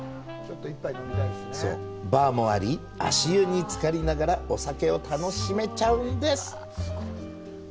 バーもあり、足湯につかりながらお酒を楽しめちゃうんです。